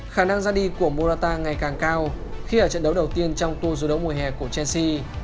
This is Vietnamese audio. khả năng ra đi của murata ngày càng cao khi ở trận đấu đầu tiên trong tour du đấu mùa hè của chelsea